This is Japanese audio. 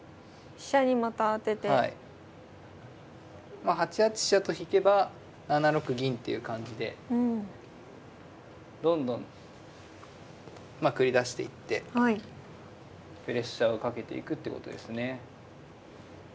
まあ８八飛車と引けば７六銀っていう感じでどんどん繰り出していってプレッシャーをかけていくってことですね。